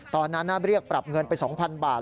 ตอนนั้นเรียกปรับเงินไป๒๐๐๐บาท